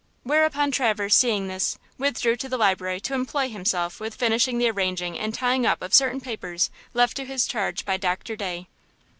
Whereupon Traverse, seeing this, withdrew to the library to employ himself with finishing the arranging and tying up of certain papers left to his charge by Doctor Day.